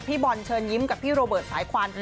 บอลเชิญยิ้มกับพี่โรเบิร์ตสายควัน